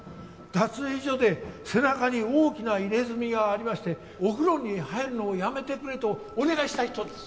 脱衣所で背中に大きな刺青がありましてお風呂に入るのをやめてくれとお願いした人です。